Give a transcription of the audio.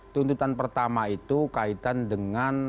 tuntutan pertama itu kaitan dengan